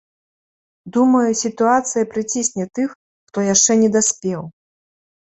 Думаю, сітуацыя прыцісне тых, хто яшчэ не даспеў.